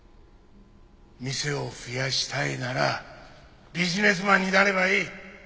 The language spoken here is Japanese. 店を増やしたいならビジネスマンになればいい。